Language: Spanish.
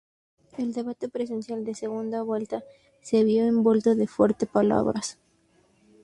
El debate presidencial de segunda vuelta se vio envuelto de fuerte palabras.